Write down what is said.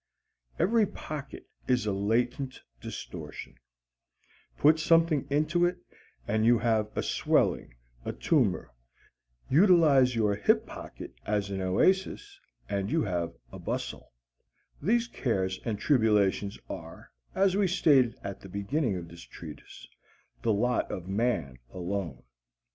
Every pocket is a latent distortion put something into it and you have a swelling, a tumor. Utilize your hip pocket as an oasis and you have a bustle. These cares and tribulations are, as we stated at the beginning of this treatise, the lot of man alone.